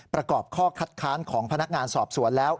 ประกอบข้อคัดค้านของพนักงานสอบสวนแล้ว